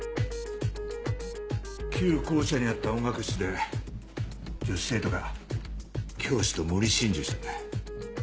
旧校舎にあった音楽室で女子生徒が教師と無理心中したんだ。